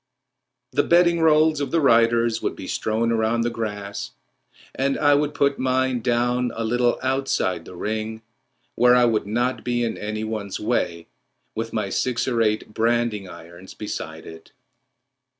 The bedding rolls of the riders would be strewn round the grass, and I would put mine down a little outside the ring, where I would not be in any one's way, with my six or eight branding irons beside it.